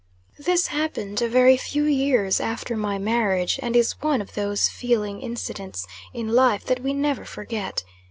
THIS happened a very few years after, my marriage, and is one of those feeling incidents in life that we never forget.